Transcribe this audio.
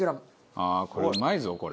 ああうまいぞこれ。